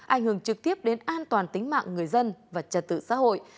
ảnh hưởng trực tiếp đến an toàn tính mạng người dân và trật tự xã hội